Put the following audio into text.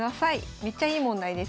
めっちゃいい問題です